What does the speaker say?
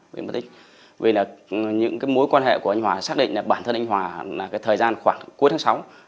vì những mối quan hệ của anh hòa xác định là bản thân anh hòa là thời gian khoảng cuối tháng sáu